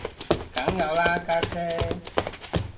梗有啦家姐